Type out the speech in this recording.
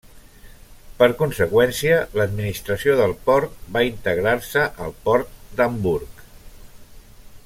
Per conseqüència l'administració del port va integrar-se al port d'Hamburg.